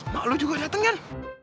ma lu juga dateng kan